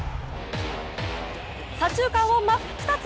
左中間を真っ二つ。